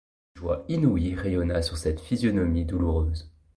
Une joie inouïe rayonna sur cette physionomie douloureuse.